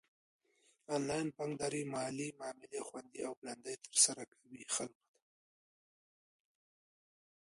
انلاين بانکداري مالي معاملي خوندي او ګړندي ترسره کوي خلکو ته.